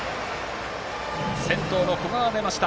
先頭の古賀が出ました。